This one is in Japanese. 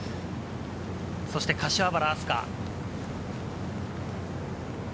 そして柏原明日架。